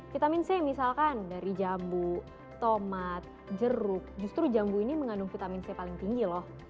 vitamin c misalkan dari jambu tomat jeruk justru jambu ini mengandung vitamin c paling tinggi loh